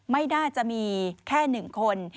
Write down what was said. ไม่น่าจะมีแค่หนึ่งคน